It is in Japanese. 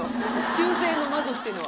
修整の魔女っていうのは。